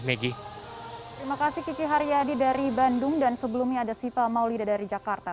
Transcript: terima kasih kiki haryadi dari bandung dan sebelumnya ada siva maulida dari jakarta